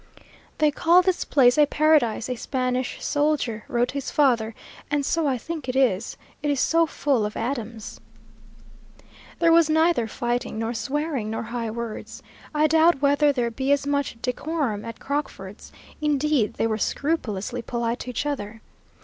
"They call this place a Paradise," a Spanish soldier wrote to his father; "and so I think it is, it is so full of Adams." There was neither fighting, nor swearing, nor high words. I doubt whether there be as much decorum at Crockford's; indeed, they were scrupulously polite to each other.